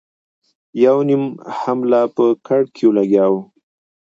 یو نيم هم لا په کړکيو لګیا و.